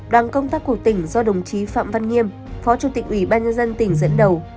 đoàn công tác của tỉnh do đồng chí phạm văn nghiêm phó chủ tịch ủy ban nhân dân tỉnh dẫn đầu